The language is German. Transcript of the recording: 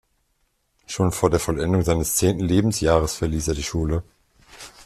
Schon vor der Vollendung seines zehnten Lebensjahres verließ er die Schule.